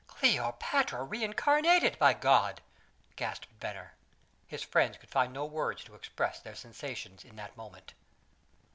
"Cleopatra reincarnated, by God!" gasped Venner. His friends could find no words to express their sensations in that moment.